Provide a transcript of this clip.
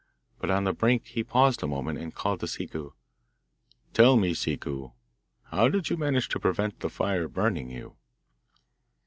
But on the brink he paused a moment and called to Ciccu, 'Tell me, Ciccu, how did you manage to prevent the fire burning you?